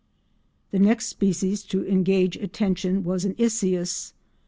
The next species to engage attention was an Icius.